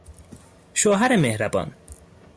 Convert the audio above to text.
شوهر مهربان